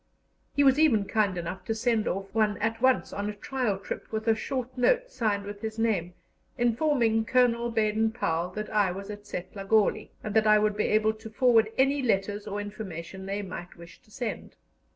He was even kind enough to send off one at once on a trial trip, with a short note signed with his name, informing Colonel Baden Powell that I was at Setlagoli, and that I would be able to forward any letters or information they might wish to send.